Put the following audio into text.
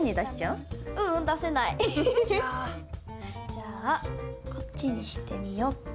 じゃあこっちにしてみよっと。